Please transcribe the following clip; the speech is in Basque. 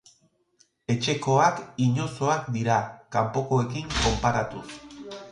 Etxekoak inozoak dira kanpokoekin konparatuz.